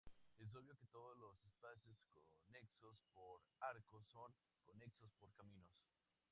Es obvio que todos los espacios conexos por arcos son conexos por caminos.